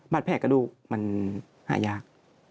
แผลกระดูกมันหายาก